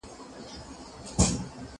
په ژوند مو هم وانخيستل خوندونه .